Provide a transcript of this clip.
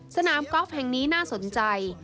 สนามกอล์ฟแห่งนี้น่าสนใจ